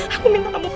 aku minta kamu pergi